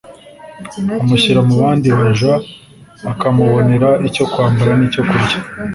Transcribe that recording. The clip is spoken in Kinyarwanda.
amushyira mu bandi baja akamubonera icyo kwambara n’icyo kurya